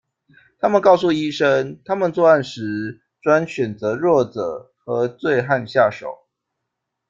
他们告诉医生，他们作案时专选择弱者和醉汉下手。